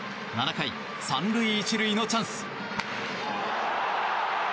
７回、３塁１塁のチャンス。